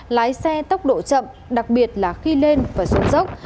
lái xe tốc độ chậm đặc biệt là khi lên và xuống dốc